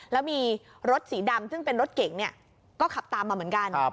แล้วมีรถสีดำซึ่งเป็นรถเก๋งก็ขับตามมาเหมือนกัน